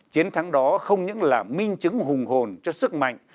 chiến thắng đó không những là minh chứng hùng hồn cho sức mạnh